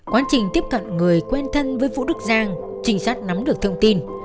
quá trình tiếp cận người quen thân với vũ đức giang trình soát nắm được thông tin